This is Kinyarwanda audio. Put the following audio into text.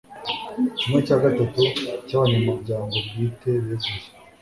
cyimwe cya gatatu cy abanyamuryango bwite beguye